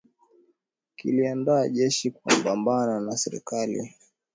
Kiliandaa jeshi kikapambana na serikali ya Kuomintang na Japani pia